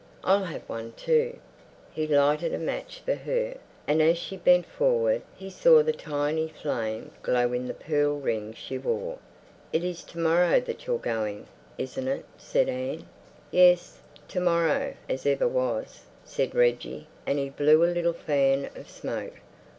I'll have one too." He lighted a match for her, and as she bent forward he saw the tiny flame glow in the pearl ring she wore. "It is to morrow that you're going, isn't it?" said Anne. "Yes, to morrow as ever was," said Reggie, and he blew a little fan of smoke.